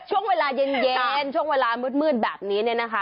ช่วงเวลาเย็นช่วงเวลามืดแบบนี้เนี่ยนะคะ